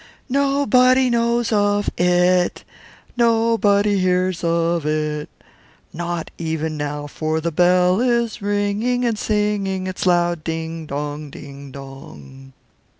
Nobody knows of it! Nobody hears of it! Not even now, for the bell is ringing and singing its loud Ding dong, ding dong!'